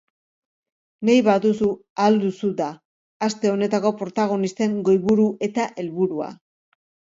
Nahi baduzu, ahal duzu da aste honetako protagonisten goiburu eta helburua.